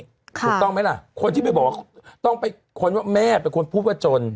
ถูกต้องไหมล่ะคนที่ไปบอกว่าต้องไปค้นว่าแม่เป็นคนพูดว่าจน